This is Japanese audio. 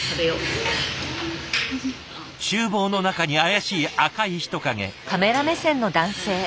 厨房の中に怪しい赤い人影。